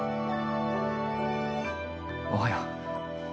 おはよう。